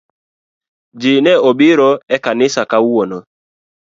Jii ne obiro e kanisa kawuono